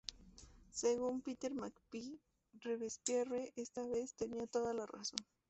Según Peter McPhee, Robespierre esta vez, "tenía toda la razón".